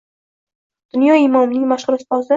Dunyo imomining mashhur ustozi